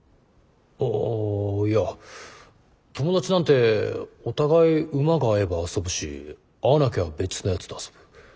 あいや友達なんてお互いウマが合えば遊ぶし合わなきゃ別のやつと遊ぶ。